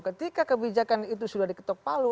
ketika kebijakan itu sudah diketok palu